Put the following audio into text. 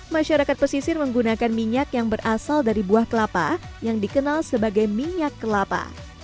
masyarakat pesisir menggunakan minyak yang berasal dari buah kelapa yang dikenal sebagai minyak kelapa